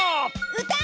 うた！